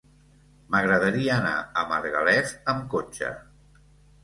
M'agradaria anar a Margalef amb cotxe.